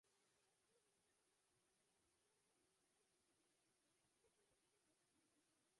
Aliment to‘lovchilarning chet elga chiqishiga oid taqiqni olib tashlash tartibi qanday?